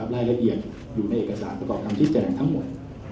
รายละเอียดอยู่ในเอกสารประกอบคำที่แจ่งทั้งหมด